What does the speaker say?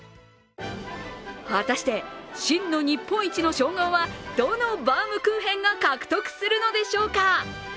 果たして真の日本一の称号はどのバウムクーヘンが獲得するのでしょうか。